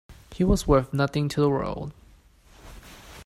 He was worth nothing to the world.